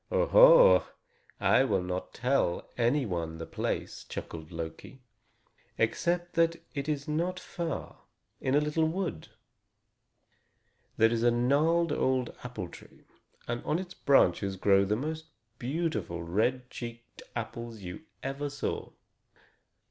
"Oho! I will not tell any one the place," chuckled Loki, "except that it is not far, in a little wood. There is a gnarled old apple tree, and on its branches grow the most beautiful red cheeked apples you ever saw.